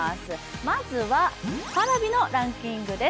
まずはＰａｒａｖｉのランキングです。